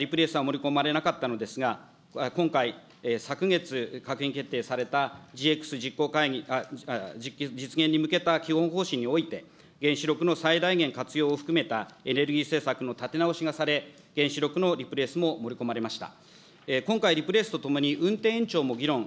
その一昨年閣議決定した第６次エネ基ではリプレースは盛り込まれなかったのですが、今回、昨月閣議決定されたＧＸ実行会議、実現に向けた基本方針において、原子力の最大限活用を含めたエネルギー政策の立て直しがされ、原子力のリプレースも盛り込まれました。